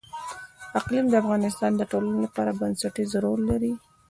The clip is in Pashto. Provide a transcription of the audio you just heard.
اقلیم د افغانستان د ټولنې لپاره بنسټيز رول لري.